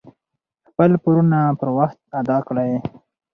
خپل پورونه پر وخت ادا کړئ.